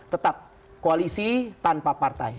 tetap koalisi tanpa partai